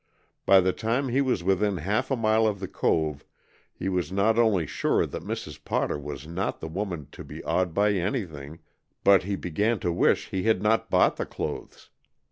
By the time he was within half a mile of the cove he was not only sure that Mrs. Potter was not the woman to be awed by anything, but he began to wish he had not bought the clothes.